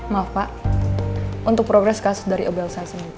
maaf pak untuk progres kasus dari ibu elsa sendiri